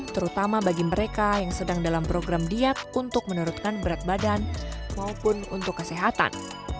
terutama bagi mereka yang sedang dalam program diet untuk menurunkan berat badan maupun untuk kesehatan